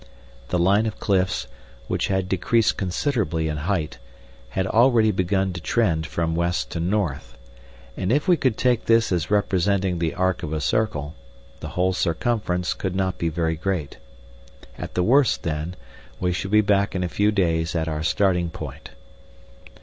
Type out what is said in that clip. The line of cliffs, which had decreased considerably in height, had already begun to trend from west to north, and if we could take this as representing the arc of a circle, the whole circumference could not be very great. At the worst, then, we should be back in a few days at our starting point.